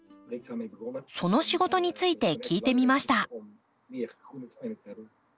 その仕事について聞いてみました。